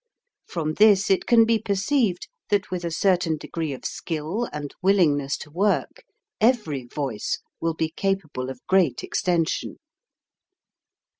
From this it can be perceived that with a certain degree of skill and willingness to work, every voice will be capable of great extension.